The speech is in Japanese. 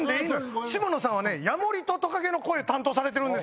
下野さんはヤモリとトカゲの声担当されてるんですよ。